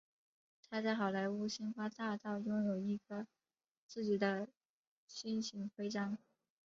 他在好莱坞星光大道拥有一颗自己的星形徽章。